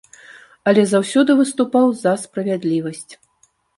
Але заўсёды выступаў за справядлівасць.